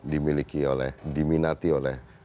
dimiliki oleh diminati oleh